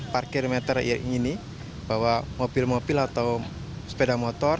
parkir meter ini bawa mobil mobil atau sepeda motor